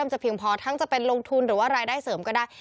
จะเพียงพอทั้งจะเป็นลงทุนหรือว่ารายได้เสริมก็ได้